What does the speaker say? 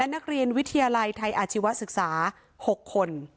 นักเรียนวิทยาลัยไทยอาชีวศึกษา๖คน